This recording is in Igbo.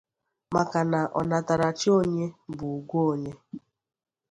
maka na ọnatarachi onye bụ ùgwù onye.